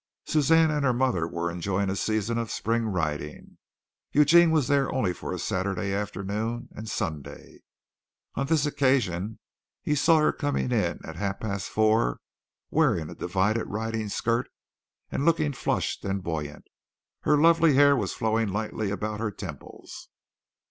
Suzanne and her mother were enjoying a season of spring riding. Eugene was there for only a Saturday afternoon and Sunday. On this occasion he saw her coming in at half past four wearing a divided riding skirt and looking flushed and buoyant. Her lovely hair was flowing lightly about her temples.